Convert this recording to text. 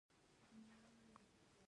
زه له حسد، بغض او کینې څخه تښتم.